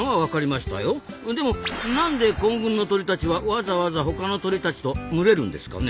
でもなんで混群の鳥たちはわざわざ他の鳥たちと群れるんですかね？